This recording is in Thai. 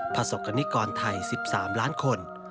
ประสบกรณิกรไทย๑๓ล้านคน